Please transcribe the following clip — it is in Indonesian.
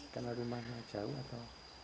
karena rumahnya jauh atau